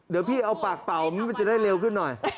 เดี๋ยวพี่เอาปากเป่ามันจะได้เร็วขึ้นหน่อย